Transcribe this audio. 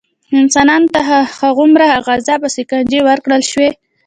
انسانانو ته هغومره عذاب او شکنجې ورکړل شوې.